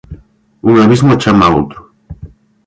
Un abismo chama outro.